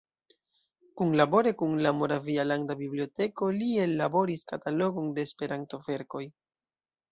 Kunlabore kun la Moravia landa biblioteko li ellaboris katalogon de Esperanto-verkoj.